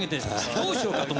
どうしようかと。